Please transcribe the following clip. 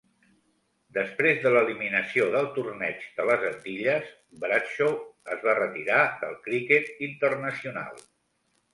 Després de l'eliminació del torneig de les Antilles, Bradshaw es va retirar del criquet internacional.